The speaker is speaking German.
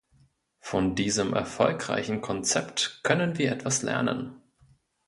Von diesem erfolgreichen Konzept können wir etwas lernen.